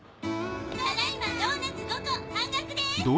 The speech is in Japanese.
ただ今ドーナツ５個半額です！